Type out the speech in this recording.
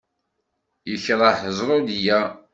Yekreh zzruḍya.